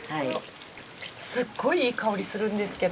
すっごいいい香りするんですけど。